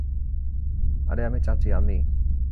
আরে আমি চাচী, আমি।